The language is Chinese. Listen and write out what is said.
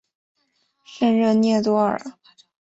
圣热涅多尔。